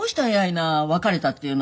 別れたっていうのは。